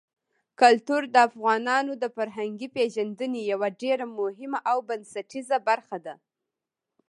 کلتور د افغانانو د فرهنګي پیژندنې یوه ډېره مهمه او بنسټیزه برخه ده.